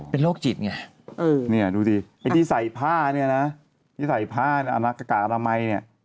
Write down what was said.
เป็นโรคจิตไงเนี่ยดูสิไอ้ที่ใส่ผ้าเนี่ยนะที่ใส่ผ้าหน้ากากอนามัยเนี่ย